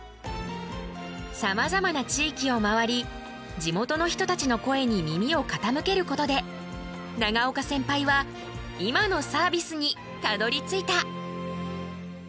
さまざまな地域を回り地元の人たちの声に耳をかたむけることで永岡センパイは今のサービスにたどりついた。